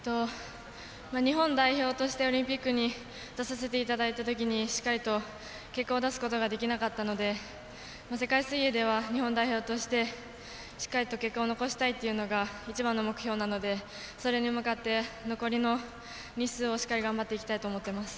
日本代表としてオリンピックに出させていただいたときにしっかりと結果を出すことができなかったので世界水泳では日本代表としてしっかりと結果を残したいというのが一番の目標なのでそれに向かって残りの日数をしっかり頑張っていきたいと思います。